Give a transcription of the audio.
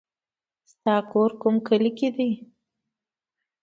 ستا کور کوم کلي کې دی